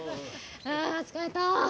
ああ疲れた！